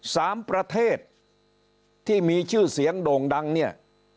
สามประเทศที่มีชื่อเสียงโด่งดังเนี่ย